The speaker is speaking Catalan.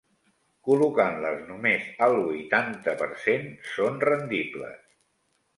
Col·locant-les només al huitanta per cent, són rendibles.